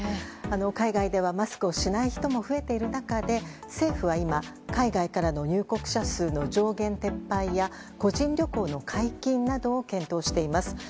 海外ではマスクをしない人も増えている中で政府は今、海外からの入国者数の上限撤廃や個人旅行の解禁などを検討しています。